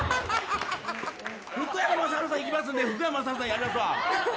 福山雅治さんいるんで、福山さんやりますわ。